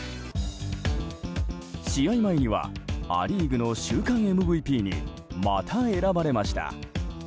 試合前にはア・リーグの週間ＭＶＰにまた選ばれました。